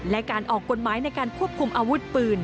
และการออกกฎหมายในการควบคุมอาวุธปืน